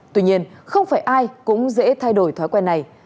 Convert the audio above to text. tuy nhiên không phải ai cũng dễ thay đổi thói quen này